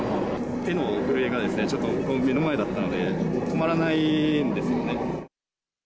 手の震えがちょっと目の前だったので、止まらないんですよね。